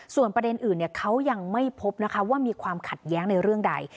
ส่วนประเด็นอื่นเขายังไม่พบนะคะว่ามีความขัดแย้งในเรื่องใด